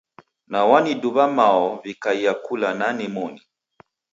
Na waniduwa mao wikaia kula na nani moni.